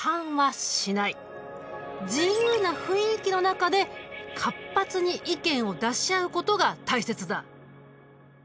自由な雰囲気の中で活発に意見を出し合うことが大切だ。